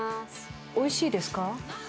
おいしいですか？